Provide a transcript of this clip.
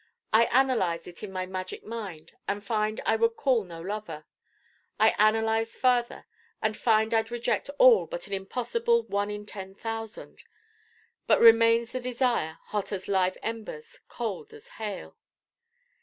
I analyze it in my magic Mind and find I would call no Lover. I analyze farther and find I'd reject all but an impossible one in ten thousand. But remains the desire, hot as live embers, cold as hail.